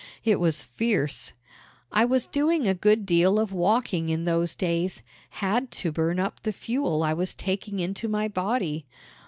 It was fierce! I was doing a good deal of walking in those days had to burn up the fuel I was taking into my body.